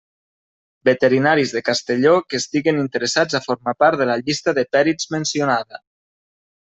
Veterinaris de Castelló que estiguen interessats a formar part de la llista de pèrits mencionada.